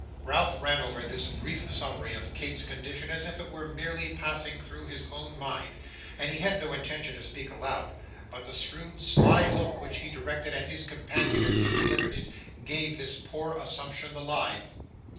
Ralph ran over this brief summary of Kate's condition as if it were merely passing through his own mind, and he had no intention to speak aloud; but the shrewd sly look which he directed at his companion as he delivered it, gave this poor assumption the lie.